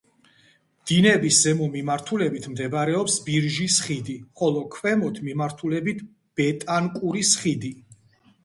დინების ზემო მიმართულებით მდებარეობს ბირჟის ხიდი, ხოლო ქვემო მიმართულებით ბეტანკურის ხიდი.